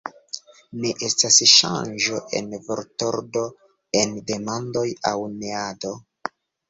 Ne estas ŝanĝo en vortordo en demandoj aŭ neado.